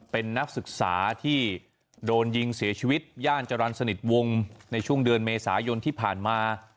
เป็นนักศึกษาที่โดนยิงเสียชีวิตย่านจรรย์สนิทวงในช่วงเดือนเมษายนที่ผ่านมา